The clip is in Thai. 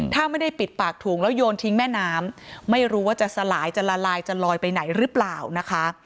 ถ้าไม่ได้ปิดปากถุงแล้วโยนทิ้งแม่น้ำไม่รู้ว่าจะสลายจะละลายจะลอยไปไหนหรือเปล่านะคะ